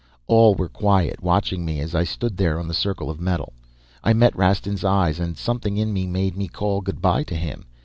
All were quiet, watching me as I stood there on the circle of metal. I met Rastin's eyes and something in me made me call goodbye to him.